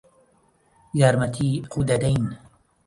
یارمەتیی ئەو دەدەین.